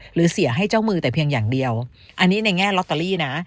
หรือเสียให้เจ้ามือแต่เพียงอย่างเดียวอันนี้ในแง่ลอตเตอรี่นะ